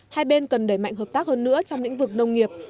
hai bên cần đẩy mạnh hợp tác hơn nữa trong lĩnh vực nông nghiệp